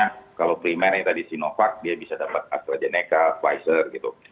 jadi misalnya kalau primer yang tadi sinovac dia bisa dapat astrazeneca pfizer gitu